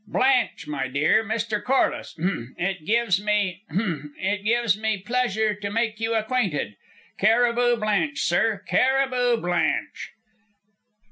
"Blanche, my dear, Mr. Corliss hem it gives me ... hem ... it gives me pleasure to make you acquainted. Cariboo Blanche, sir. Cariboo Blanche."